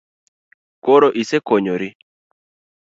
Koro isekonyori?